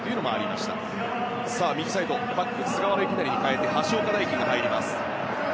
そして右サイドバック菅原由勢に代えて橋岡大樹も入ります。